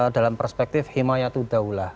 dalam perspektif himayatul daulah